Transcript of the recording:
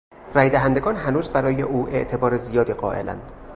رای دهندگان هنوز برای او اعتبار زیادی قائلاند.